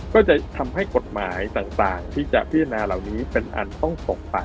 ก็จะทำให้กฎหมายต่างที่จะพิจารณาเหล่านี้เป็นอันต้องตกไป